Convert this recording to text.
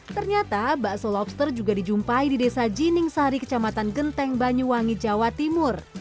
ternyata bakso lobster juga dijumpai di desa jining sari kecamatan genteng banyuwangi jawa timur